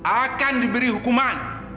akan diberi hukuman